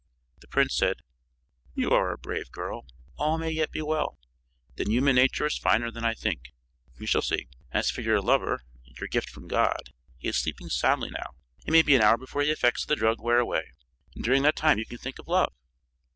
The prince said: "You are a brave girl. All may yet be well. Then human nature is finer than I think. We shall see. As for your lover, your gift from God, he is sleeping soundly now. It may be an hour before the effects of the drug wear away. During that time you can think of love.